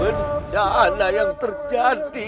bencana yang terjadi